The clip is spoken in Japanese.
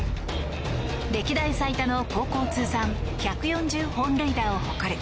歴代最多の高校通算１４０本塁打を誇る